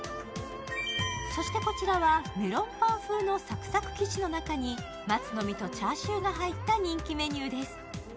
そしてこちらはメロンパン風のサクサクの生地の中に松の実とチャーシューが入った人気メニューです。